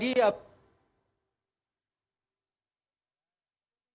bima arya menyampaikan